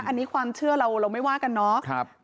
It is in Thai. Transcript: อันนี้ความเชื่อเราไม่ว่ากันเนาะ